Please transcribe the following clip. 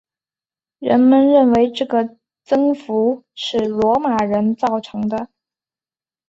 人们认为这个增幅是罗马人造成的。